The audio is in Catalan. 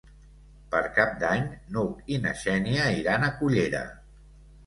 Per Cap d'Any n'Hug i na Xènia iran a Cullera.